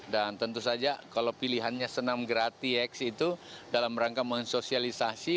tentu saja kalau pilihannya senam gratis itu dalam rangka mensosialisasi